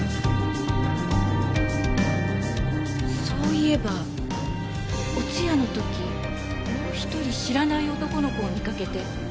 そういえばお通夜の時もう一人知らない男の子を見かけて。